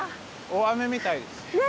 大雨みたいですね。